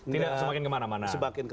tidak semakin kemana mana